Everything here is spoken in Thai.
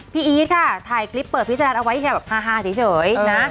พี่อีทค่ะถ่ายคลิปเปิดพิจารณ์เอาไว้แบบฮาเฉยนะ